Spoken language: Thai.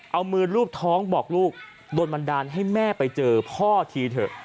เอามือลูบท้องบอกลูกโดนบันดาลให้แม่ไปเจอพ่อทีเถอะ